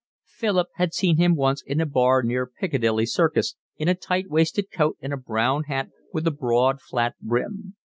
Philip had seen him once in a bar near Piccadilly Circus in a tight waisted coat and a brown hat with a broad, flat brim.